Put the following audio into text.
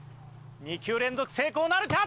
２球連続成功なるか？